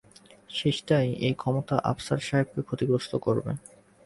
শেষটায় এই ক্ষমতা আফসার সাহেবকে ক্ষতিগ্রস্ত করবে।